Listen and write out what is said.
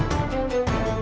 tidak ada tanah tanah